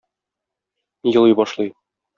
Елый башлый.